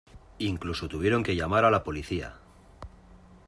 Incluso tuvieron que llamar a la policía.